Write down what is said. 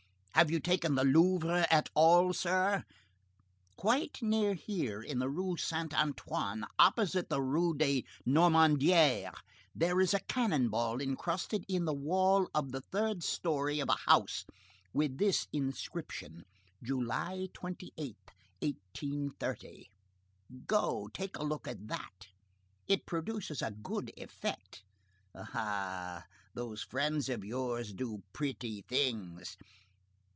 Have you taken the Louvre at all, sir? Quite near here, in the Rue Saint Antoine, opposite the Rue des Nonamdières, there is a cannon ball incrusted in the wall of the third story of a house with this inscription: 'July 28th, 1830.' Go take a look at that. It produces a good effect. Ah! those friends of yours do pretty things.